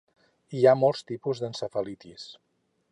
Hi ha molts tipus d'encefalitis.